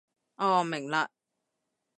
哦，明嘞